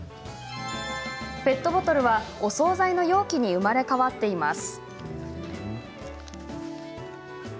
ペットボトルは、お総菜の容器に生まれ変わっています。